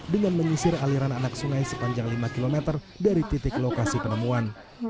dengan menyisir aliran anak sungai sepanjang lima km dari titik lokasi penemuan